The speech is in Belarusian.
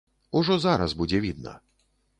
Ужо зараз будзе відна.